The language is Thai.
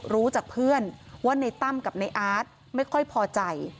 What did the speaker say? รู้จากเพื่อนว่าในตั้มกับในอาร์ตไม่ค่อยพอใจ